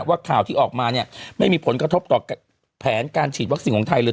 ว่าข่าวที่ออกมาเนี่ยไม่มีผลกระทบต่อแผนการฉีดวัคซีนของไทยเลย